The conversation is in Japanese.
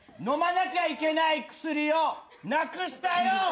飲まなきゃいけない薬をなくしたよ！